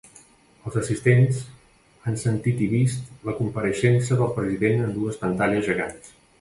Els assistents han sentit i vist la compareixença del president en dues pantalles gegants.